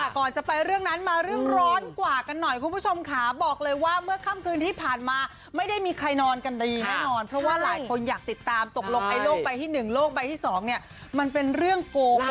ก่อนจะไปเรื่องนั้นมาเรื่องร้อนกว่ากันหน่อยคุณผู้ชมค่ะบอกเลยว่าเมื่อค่ำคืนที่ผ่านมาไม่ได้มีใครนอนกันดีแน่นอนเพราะว่าหลายคนอยากติดตามตกลงไอโลกใบที่๑โลกใบที่๒เนี่ยมันเป็นเรื่องโกง